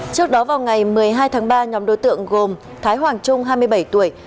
trước đó vào ngày một mươi hai tháng ba nhóm đối tượng gồm thái hoàng trung hai mươi bảy tuổi